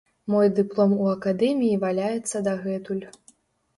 Мой дыплом у акадэміі валяецца дагэтуль.